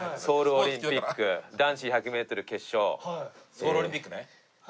ソウルオリンピックね。